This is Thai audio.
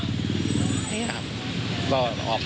จอด